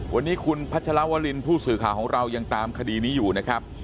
วันนี้คุณพัชรวรินผู้สื่อข่าวของเรายังตามคดีนี้อยู่นะครับ